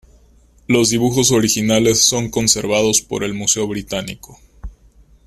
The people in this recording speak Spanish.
Los dibujos originales son conservados por el Museo Británico.